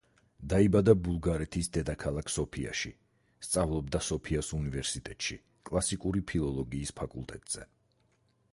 დაიბადა ბულგარეთის დედაქალაქ სოფიაში, სწავლობდა სოფიას უნივერსიტეტში კლასიკური ფილოლოგიის ფაკულტეტზე.